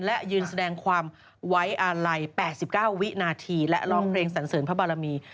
และยืนแสดงความไว้อาลัย๘๙วินาทีและร้องเพลงสันเสริญพระบารมี